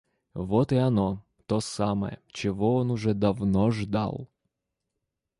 Вот и оно, то самое, чего он уже давно ждал.